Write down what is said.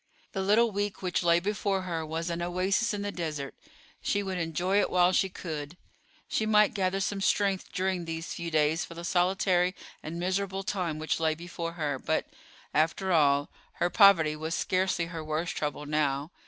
The little week which lay before her was an oasis in the desert; she would enjoy it while she could. She might gather some strength during these few days for the solitary and miserable time which lay before her. But, after all, her poverty was scarcely her worst trouble now.